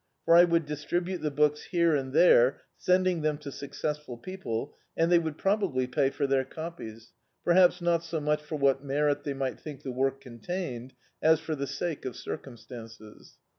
For I would distribute the books here and there, sending tiiem to successful people, and they would probably pay for their copies, perhaps not so much for what merit they might think the work contained, as for the sake of circumstances.